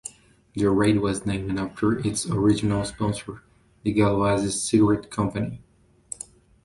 The Raid was named after its original sponsor, the Gauloises Cigarette Company.